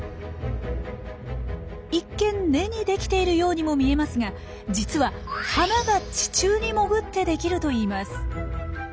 一見根にできているようにも見えますが実は花が地中に潜ってできるといいます。